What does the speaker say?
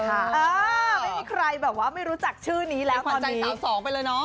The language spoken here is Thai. ไม่มีใครแบบว่าไม่รู้จักชื่อนี้แล้วขวัญใจสาวสองไปเลยเนาะ